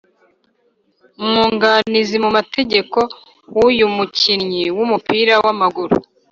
umwunganizi mu mategeko w’uyu mukinnyi w’umupira w’amaguru